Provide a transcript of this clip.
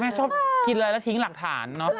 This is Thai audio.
แม่ชอบกินอะไรแล้วทิ้งหลักฐาน